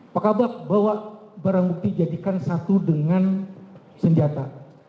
pak kabak bawa barang bukti jadikan satu dengan senjata